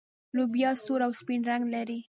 لوبیا سور او سپین رنګ لري.